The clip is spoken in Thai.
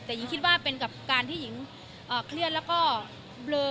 แต่หญิงคิดว่าเป็นกับการที่หญิงเครียดแล้วก็เบลอ